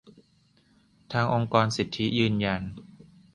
ทางองค์กรสิทธิยืนยัน